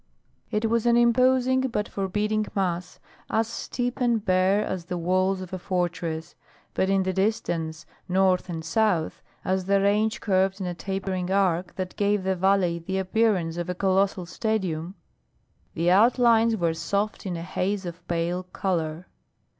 It was an imposing but forbidding mass, as steep and bare as the walls of a fortress; but in the distance, north and south, as the range curved in a tapering arc that gave the valley the appearance of a colossal stadium, the outlines were soft in a haze of pale color.